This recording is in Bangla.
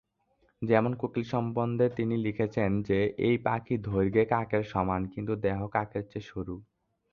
যেমন কোকিল সম্বন্ধে তিনি লিখেছেন যে এই পাখি দৈর্ঘ্যে কাকের সমান, কিন্তু দেহ কাকের চেয়ে সরু।